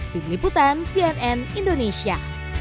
di beliputan cnn indonesia